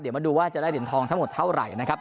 เดี๋ยวมาดูว่าจะได้เหรียญทองทั้งหมดเท่าไหร่นะครับ